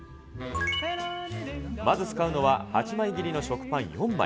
まず使うのは、８枚切りの食パン４枚。